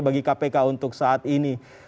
bagi kpk untuk saat ini